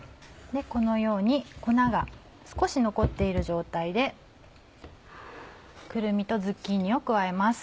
このように粉が少し残っている状態でくるみとズッキーニを加えます。